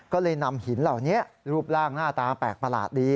ก็เลยนำหินเหล่านี้รูปร่างหน้าตาแปลกประหลาดดี